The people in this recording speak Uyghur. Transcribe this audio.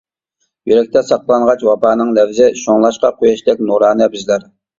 يۈرەكتە ساقلانغاچ ۋاپانىڭ لەۋزى، شۇڭلاشقا قۇياشتەك نۇرانە بىزلەر.